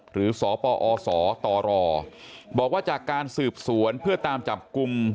หรือสปอศตรบอกว่าจากการสืบสวนเพื่อตามจับกลุ่ม